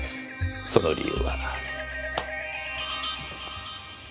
その理由は。